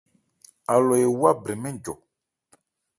Alɔ ewá brɛ mɛ́n njɔ.